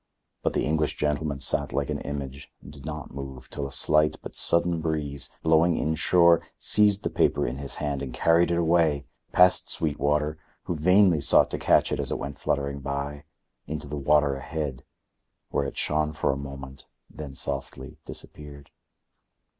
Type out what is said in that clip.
But the English gentleman sat like an image and did not move till a slight but sudden breeze, blowing in shore, seized the paper in his hand and carried it away, past Sweetwater, who vainly sought to catch it as it went fluttering by, into the water ahead, where it shone for a moment, then softly disappeared.